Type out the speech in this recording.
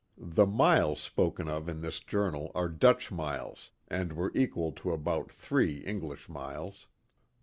[The miles spoken of in this journal are Dutch miles, and were equal to about three English miles.